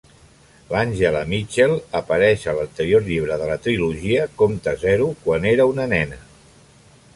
L'Àngela Mitchell apareix a l'anterior llibre de la Trilogia, Comte Zero, quan era una nena.